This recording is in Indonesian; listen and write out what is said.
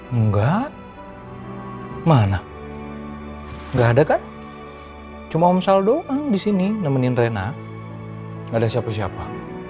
enggak mana enggak ada kan cuma om saldo disini nemenin rena ada siapa siapa